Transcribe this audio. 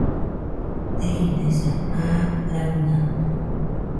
Teidesa, aa raɨna